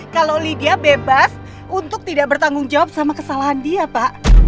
kalau liga bebas untuk tidak bertanggung jawab sama kesalahan dia pak